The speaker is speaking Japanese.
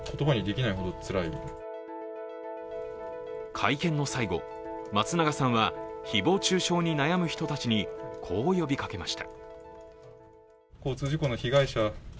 会見の最後、松永さんは誹謗中傷に悩む人たちにこう呼びかけました。